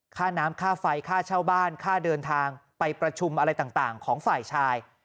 ค่าน้ำค่าไฟค่าเช่าบ้านค่าเดินทางไปประชุมอะไรต่างของฝ่ายชาย